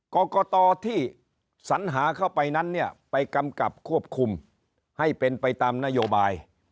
กรกตที่สัญหาเข้าไปนั้นเนี่ยไปกำกับควบคุมให้เป็นไปตามนโยบาย